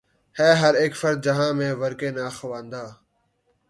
ہے ہر اک فرد جہاں میں ورقِ ناخواندہ